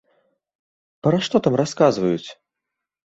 Пра што там расказваюць?